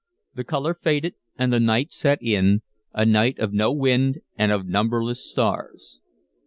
The color faded and the night set in, a night of no wind and of numberless stars.